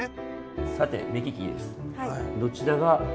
さて目利きです。